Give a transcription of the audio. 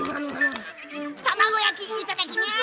卵焼きいただきニャ！